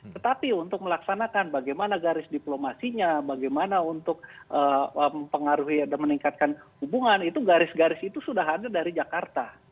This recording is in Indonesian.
tetapi untuk melaksanakan bagaimana garis diplomasinya bagaimana untuk mempengaruhi dan meningkatkan hubungan itu garis garis itu sudah ada dari jakarta